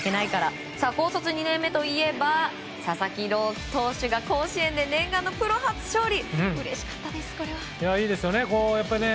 高卒２年目といえば佐々木朗希投手が甲子園で念願のプロ初勝利。